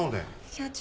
社長。